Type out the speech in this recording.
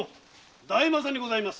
大政にございます。